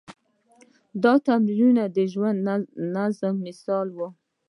دا تمرینونه د ژوند د نظم مثالونه وو.